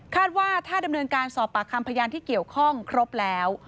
ว่าถ้าดำเนินการสอบปากคำพยานที่เกี่ยวข้องครบแล้ว